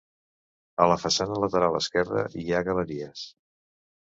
A la façana lateral esquerra hi ha galeries.